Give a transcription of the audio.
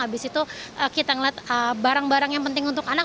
habis itu kita ngeliat barang barang yang penting untuk anak